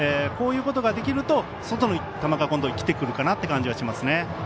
こういうことができると外の球が今度は生きてくるかなという感じがしますね。